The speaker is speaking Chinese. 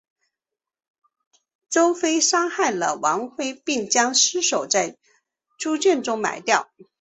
周玘杀害了王恢并将尸首在猪圈中埋掉。